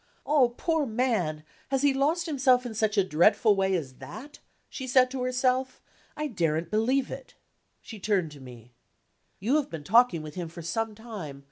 "Oh, poor man, has he lost himself in such a dreadful way as that?" she said to herself. "I daren't believe it!" She turned to me. "You have been talking with him for some time.